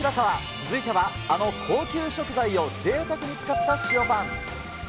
続いては、あの高級食材をぜいたくに使った塩パン。